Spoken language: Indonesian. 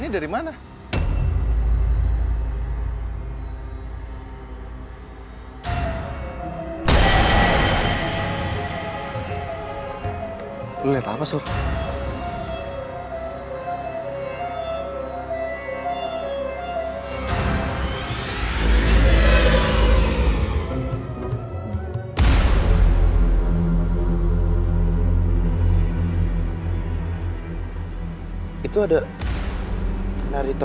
serem banget soalnya